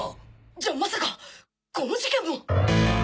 じゃまさかこの事件も⁉